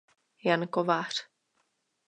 Jan Kovář.